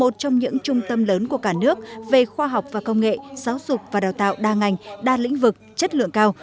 trong trường hợp lớn của cả nước về khoa học và công nghệ giáo dục và đào tạo đa ngành đa lĩnh vực chất lượng cao